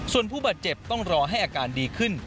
ส่วนผู้บาดเจ็บต้องรอให้อาการดีขึ้น